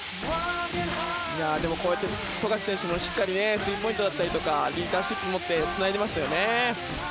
富樫選手もスリーポイントだったりとかリーダーシップを持ってつないでいましたね。